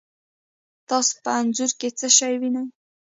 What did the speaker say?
تاسو په انځور کې څه شی وینئ؟